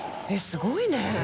すごいね。